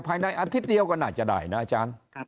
ภายในอาทิตย์เดียวก็น่าจะได้นะอาจารย์